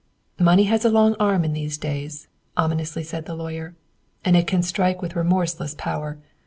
"Money has a long arm in these days," ominously said the lawyer, "and, it can strike with remorseless power.